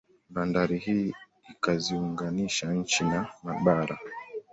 Bandari hii ikaziunganisha nchi na mabara